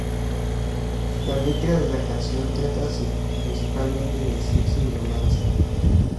La letra de la canción trata principalmente del sexo y romance.